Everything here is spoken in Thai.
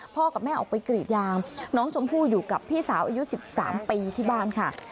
กับแม่ออกไปกรีดยางน้องชมพู่อยู่กับพี่สาวอายุ๑๓ปีที่บ้านค่ะ